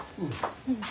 うん。